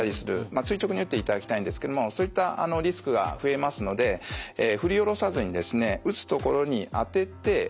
垂直に打っていただきたいんですけどもそういったリスクが増えますので振り下ろさずにですね